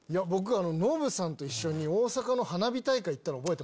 ノブさんと一緒に大阪の花火大会行ったの覚えてます？